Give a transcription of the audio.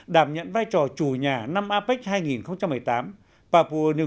đảm nhận vai trò chủ nhà năm apec hai nghìn một mươi tám papua new guinea nhận được sự ủng hộ của các thành viên apec